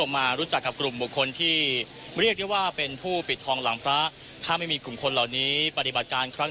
มาจากด้านในถ้ำเพิ่งเสร็จเมื่อสักครู่